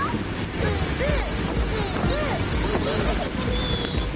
ブーブー。